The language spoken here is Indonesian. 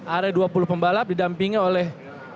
ada dua puluh pembalap didampingi oleh